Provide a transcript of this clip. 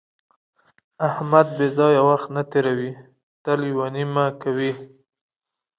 احمد بې ځایه وخت نه تېروي، تل یوه نیمه کوي.